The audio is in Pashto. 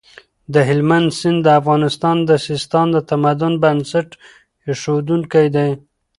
د هلمند سیند د افغانستان د سیستان د تمدن بنسټ اېښودونکی دی.